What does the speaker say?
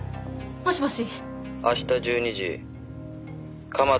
「もしもし！？」